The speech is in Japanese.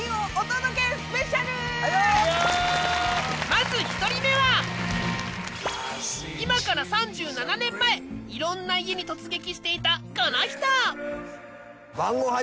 まず１人目は今から３７年前いろんな家に突撃していたこの人！